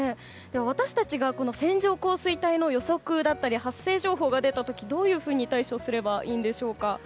私たちが線状降水帯の予測だったり発生情報が出た時どういうふうに対処すればいいんでしょうか？